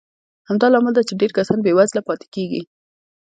همدا لامل دی چې ډېر کسان بېوزله پاتې کېږي.